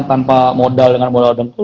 tanpa modal dengan modal